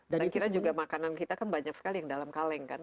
dan kita juga makanan kita kan banyak sekali yang dalam kaleng kan